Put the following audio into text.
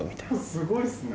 すごいっすね。